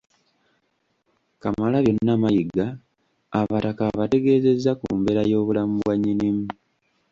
Kamalabyonna Mayiga abataka abategeezezza ku mbeera y'obulamu bwa Nnyinimu